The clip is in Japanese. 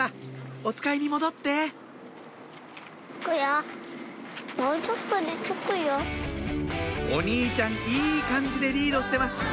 おつかいに戻ってお兄ちゃんいい感じでリードしてます